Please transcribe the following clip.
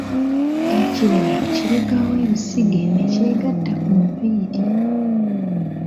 Ekirevu kirekawo ebisige ne kyegatta ku nviiri.